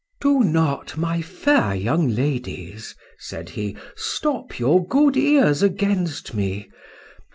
—Do not, my fair young ladies, said he, stop your good ears against me.